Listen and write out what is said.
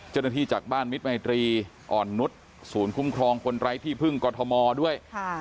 จากบ้านมิตรมัยตรีอ่อนนุษย์ศูนย์คุ้มครองคนไร้ที่พึ่งกรทมด้วย